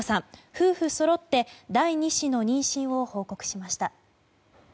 夫婦そろって第２子の妊娠を報告しました。